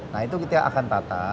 nah itu kita akan tata